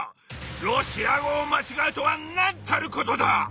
ロシア語を間違うとはなんたることだ！